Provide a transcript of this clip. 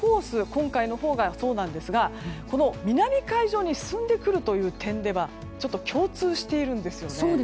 今回のほうがそうなんですが南海上に進んでくるという点では共通しているんですよ。